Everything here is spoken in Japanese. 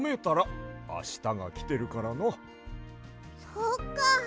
そっか。